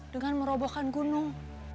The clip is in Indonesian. dengan merobohkan gunung